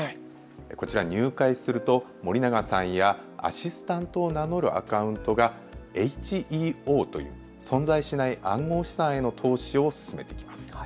こちら入会すると森永さんやアシスタントを名乗るアカウントがＨＥＯという存在しない暗号資産への投資を勧めてきます。